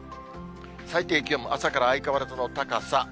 最低気温も朝から相変わらずの高さ。